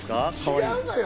違うのよ。